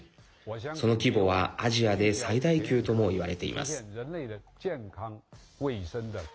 その規模は、アジアで最大級とも言われています。